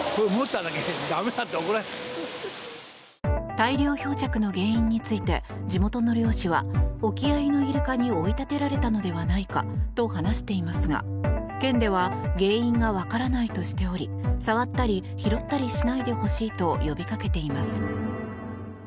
大量漂着の原因について地元の漁師は沖合のイルカに追い立てられたのではないかと話していますが県では原因が分からないとしており触ったり拾ったりしないでほしいと呼びかけています。